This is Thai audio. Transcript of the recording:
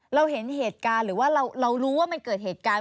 เราเห็นเหตุการณ์หรือว่าเรารู้ว่ามันเกิดเหตุการณ์